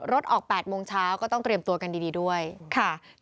รถออก๘โมงเช้าก็ต้องเตรียมตัวกันดีด้วยค่ะ